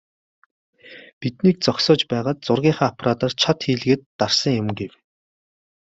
"Биднийг зогсоож байгаад зургийнхаа аппаратаар чад хийлгээд дарсан юм" гэв.